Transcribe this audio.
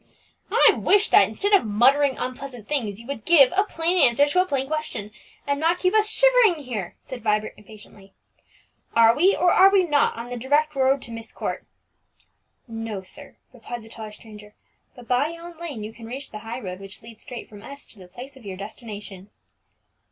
"I wish that, instead of muttering unpleasant things, you would give a plain answer to a plain question, and not keep us shivering here!" said Vibert impatiently. "Are we, or are we not, on the direct road to Myst Court?" "No, sir," replied the taller stranger; "but by yon lane you can reach the high road which leads straight from S to the place of your destination."